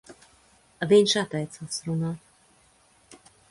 Viņš atteicās runāt.